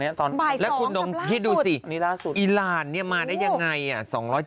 บ่าย๒กับล่าสุดอันนี้ล่าสุดแล้วคุณนมคิดดูสิอีรานเนี่ยมาได้ยังไงอ่ะ๒๗๐อ่ะ